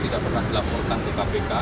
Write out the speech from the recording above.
tidak pernah dilaporkan ke kpk